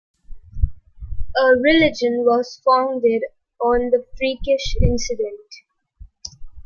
A religion was founded on the freakish incident.